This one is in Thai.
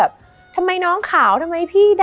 มันทำให้ชีวิตผู้มันไปไม่รอด